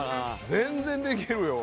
全然できるよ。